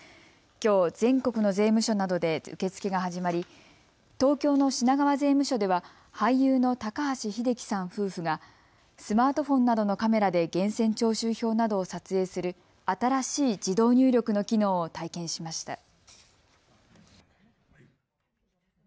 きょう、全国の税務署などで受け付けが始まり東京の品川税務署では俳優の高橋英樹さん夫婦がスマートフォンなどのカメラで源泉徴収票などを撮影する新しい自動入力の機能を体験しました。